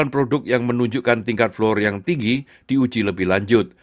dua puluh sembilan produk yang menunjukkan tingkat fluor yang tinggi di uji lebih lanjut